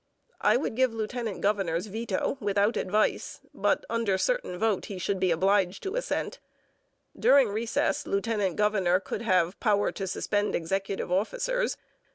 I would give lieutenant governors veto without advice, but under certain vote he should be obliged to assent. During recess lieutenant governor could have power to suspend executive officers.